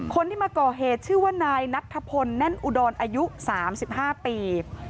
คนที่มาก่อเหตุชื่อว่านายนัทธพลแน่นอุดรอายุ๓๕ปี